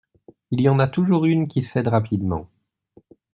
Il y en a toujours une qui cède rapidement.